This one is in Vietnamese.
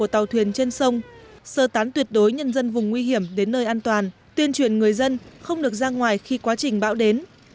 tàu thuyền trên sông sơ tán tuyệt đối nhân dân vùng nguy hiểm đến nơi an toàn tuyên truyền người dân không được ra ngoài khi quá trình bão đến